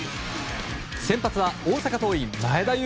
先発は大阪桐蔭、前田悠